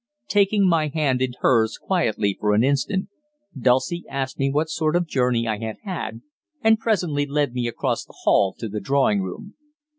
Taking my hand in hers quietly for an instant, Dulcie asked me what sort of journey I had had, and presently led me across the hall to the drawing room.